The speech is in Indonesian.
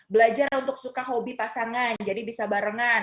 belajar untuk suka hobi pasangan jadi bisa barengan